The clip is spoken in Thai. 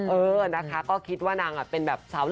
เออนะคะก็คิดว่านางเป็นแบบสาว